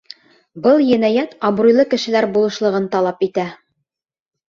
Был енәйәт абруйлы кешеләр булышлығын талап итә.